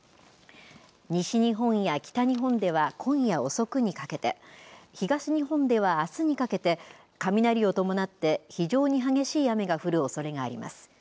西日本や北日本では今夜遅くにかけて、東日本ではあすにかけて、雷を伴って非常に激しい雨が降るおそれがあります。